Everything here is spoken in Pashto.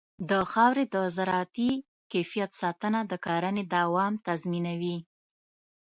د خاورې د زراعتي کیفیت ساتنه د کرنې دوام تضمینوي.